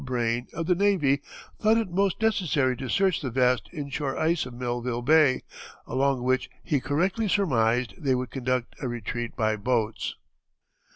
Braine, of the Navy, thought it most necessary to search the fast inshore ice of Melville Bay, along which he correctly surmised they would conduct a retreat by boats.